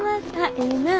ええなぁ。